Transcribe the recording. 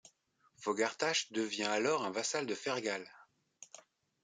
Fógartach devient alors un vassal de Fergal.